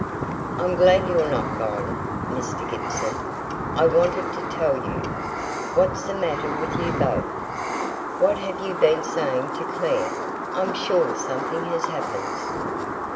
"I'm glad you're not gone, Mr. Gibson. I wanted to tell you What's the matter with you both? What have you been saying to Clare? I'm sure something has happened."